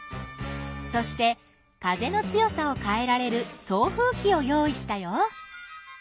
そして風の強さをかえられる送風きをよういしたよ。